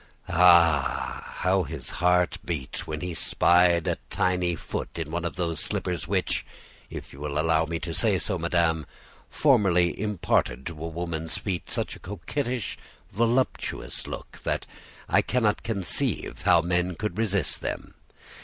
Ah! how his heart beat when he spied a tiny foot in one of those slippers which if you will allow me to say so, madame formerly imparted to a woman's feet such a coquettish, voluptuous look that I cannot conceive how men could resist them.